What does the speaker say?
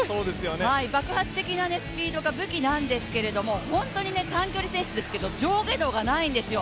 爆発的なスピードが武器なんですけど本当に短距離選手ですけど上下動がないんですよ。